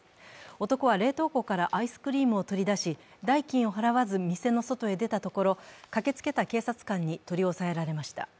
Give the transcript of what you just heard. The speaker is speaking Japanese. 男は冷凍庫からアイスクリームを取り出し、代金を払わず店の外へ出たところ、駆けつけた警察官に取り押さえられました。